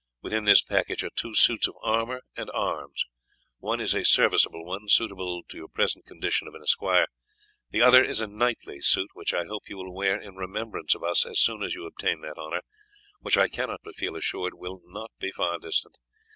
Within this package are two suits of armour and arms. One is a serviceable one suitable to your present condition of an esquire; the other is a knightly suit, which I hope you will wear in remembrance of us as soon as you obtain that honour, which I cannot but feel assured will not be far distant.